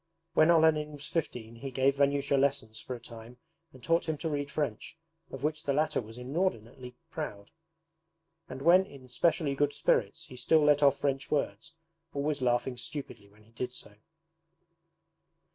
When Olenin was fifteen he gave Vanyusha lessons for a time and taught him to read French, of which the latter was inordinately proud; and when in specially good spirits he still let off French words, always laughing stupidly when he did so.